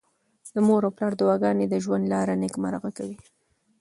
د مور او پلار دعاګانې د ژوند لاره نېکمرغه کوي.